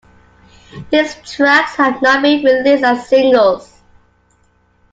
These tracks have not been released as singles.